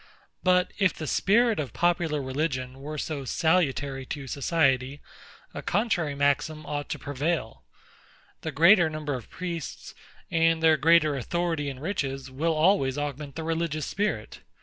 But if the spirit of popular religion were so salutary to society, a contrary maxim ought to prevail. The greater number of priests, and their greater authority and riches, will always augment the religious spirit.